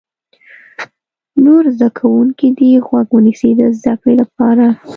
نور زده کوونکي دې غوږ ونیسي د زده کړې لپاره.